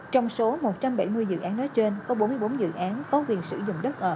trong số một trăm bảy mươi dự án nói trên có bốn mươi bốn dự án có quyền sử dụng đất ở